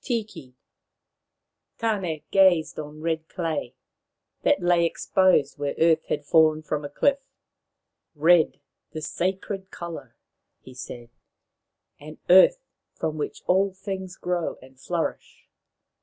TIKI Tane gazed on red clay that lay exposed where earth had fallen from a cliff. " Red, the sacred colour !" he said ;" and earth, from which all things grow and flourish.